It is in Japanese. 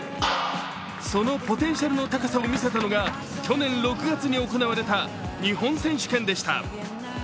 そのポテンシャルの高さを見せたのが去年６月に行われた日本選手権でした。